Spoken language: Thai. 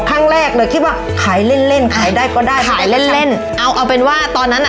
ครั้งแรกเลยคิดว่าขายเล่นเล่นขายได้ก็ได้ขายเล่นเล่นเอาเอาเป็นว่าตอนนั้นอ่ะ